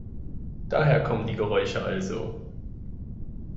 Daher kommen die Geräusche also!